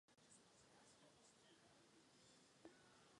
Členské státy budou používat jednotné a zjednodušené postupy.